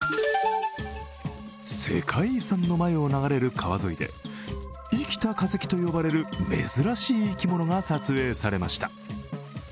世界遺産の前を流れる川沿いで生きた化石と呼ばれる珍しい生き物が撮影されました。